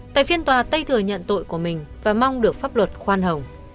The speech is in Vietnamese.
tại phiên tòa tây thừa nhận tội của mình và mong được pháp luật khoan hồng